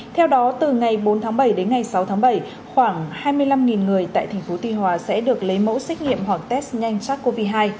theo đó từ ngày bốn tháng bảy đến ngày sáu tháng bảy khoảng hai mươi năm người tại tp tuy hòa sẽ được lấy mẫu xét nghiệm hoặc test nhanh sars cov hai